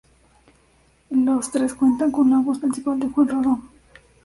Los tres cuentan con la voz principal de Juan Rodó.